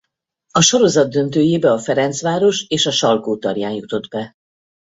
A sorozat döntőjébe a Ferencváros és a Salgótarján jutott be.